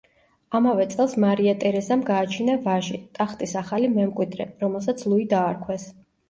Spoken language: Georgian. ამავე წელს მარია ტერეზამ გააჩინა ვაჟი, ტახტის ახალი მემკვიდრე, რომელსაც ლუი დაარქვეს.